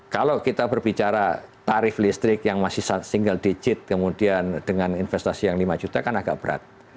kalau kita berbicara tarif listrik yang masih single digit kemudian dengan investasi yang lima juta kan agak berat